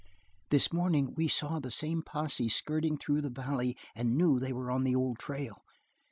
"This morning we saw the same posse skirting through the valley and knew that they were on the old trail.